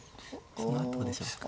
そのあとでしょうか。